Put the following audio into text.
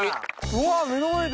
うわ目の前で。